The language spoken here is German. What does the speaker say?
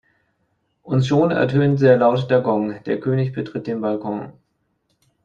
Und schon ertönt sehr laut der Gong, der König betritt den Balkon.